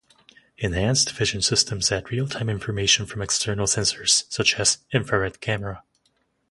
Enhanced Vision systems add real-time information from external sensors, such as an infrared camera.